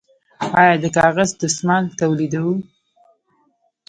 آیا د کاغذ دستمال تولیدوو؟